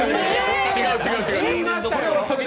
違う、違う、違う！